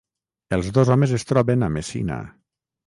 Els dos homes es troben a Messina.